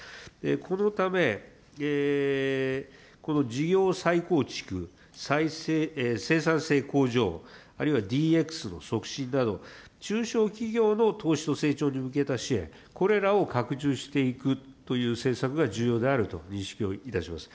このため、この事業再構築、生産性向上、あるいはＤＸの促進など、中小企業の投資と成長に向けた支援、これらを拡充していくという政策が重要であると認識をいたします。